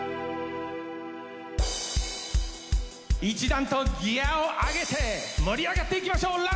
一段とギアを上げて盛り上がっていきましょう！